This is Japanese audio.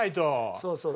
そうそう。